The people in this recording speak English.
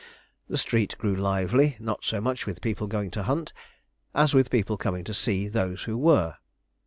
The street grew lively, not so much with people going to hunt, as with people coming to see those who were.